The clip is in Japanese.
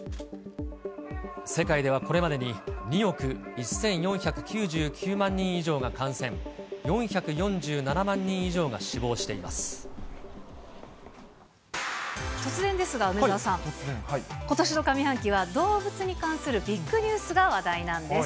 世界ではこれまでに２億１４９９万人以上が感染、突然ですが、梅澤さん、ことしの上半期は動物に関するビッグニュースが話題なんです。